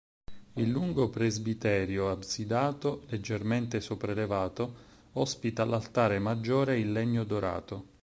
Il lungo presbiterio absidato, leggermente sopraelevato, ospita l'altare maggiore in legno dorato.